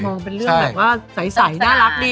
มันเป็นเรื่องสายนะรักดี